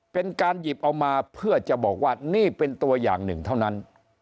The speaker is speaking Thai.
เป็นการหยิบเอามาเพื่อจะบอกว่านี่เป็นตัวอย่างหนึ่งเท่านั้น